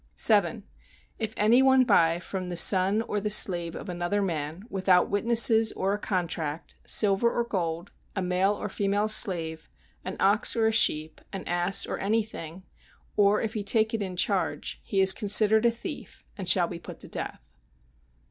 7. If any one buy from the son or the slave of another man, without witnesses or a contract, silver or gold, a male or female slave, an ox or a sheep, an ass or anything, or if he take it in charge, he is considered a thief and shall be put to death.